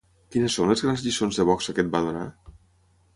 Quines són les grans lliçons de boxa que et va donar ?